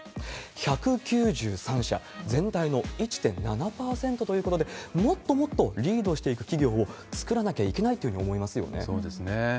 １９３社、全体の１．７％ということで、もっともっとリードしていく企業を作らなきゃいけないというふうそうですね。